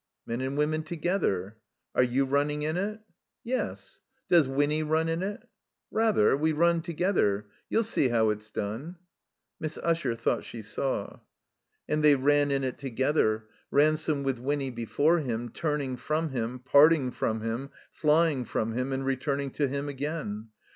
"Men and women together." "Are you running in it?" ^ "Yes." "Does Winny run in it?" "Rather. We run together. You'll see how it's done." Miss Usher thought she saw. And they ran in it together, Ransome with Winny before him, turning from him, parting from him, flying from him, and returning to him again.